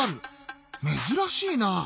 めずらしいな。